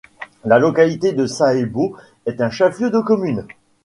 La localité de Sahébo est un chef-lieu de commune.